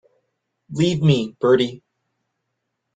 Leave me, Bertie.